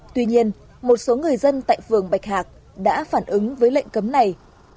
tuy nhiên một số người dân tại phường bạch hạc đã phản ứng với lệnh cấm này